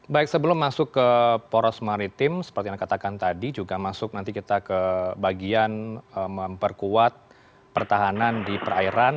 baik sebelum masuk ke poros maritim seperti yang dikatakan tadi juga masuk nanti kita ke bagian memperkuat pertahanan di perairan